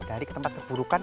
kembali ke tempat keburukan